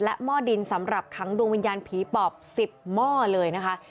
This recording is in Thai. หม้อดินสำหรับขังดวงวิญญาณผีปอบ๑๐หม้อเลยนะคะ